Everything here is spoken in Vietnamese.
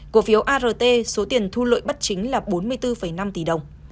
cổ phiếu art số tiền thu lợi bất chính là bốn mươi bốn năm tỷ đồng